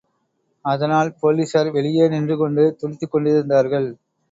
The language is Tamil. அதனால் போலீசார் வெளியே நின்று கொண்டு துடித்துக் கொண்டிருந்தார்கள்.